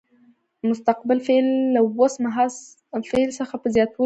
مستقبل فعل له اوس مهال فعل څخه په زیاتولو جوړیږي.